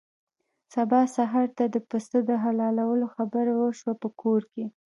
سبا سهار ته د پسه د حلالولو خبره وشوه په کور کې.